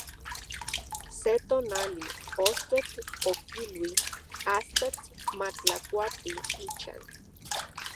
Se tonali, ostotl okilui astatl matlakuati ichan.